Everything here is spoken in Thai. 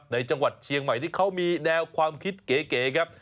จังหวัดเชียงใหม่ที่เขามีแนวความคิดเก๋ครับ